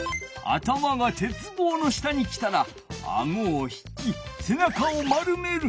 頭が鉄棒の下に来たらあごを引きせなかを丸める。